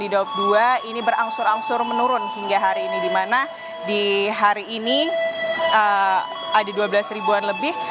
di daup dua ini berangsur angsur menurun hingga hari ini di mana di hari ini ada dua belas ribuan lebih